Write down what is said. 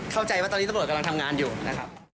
เข้าใจว่าตอนนี้ตำรวจกำลังทำงานอยู่นะครับ